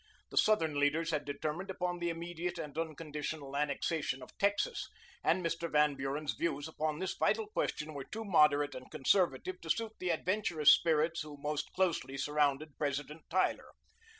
The Southern leaders had determined upon the immediate and unconditional annexation of Texas, and Mr. Van Buren's views upon this vital question were too moderate and conservative to suit the adventurous spirits who most closely surrounded President Tyler.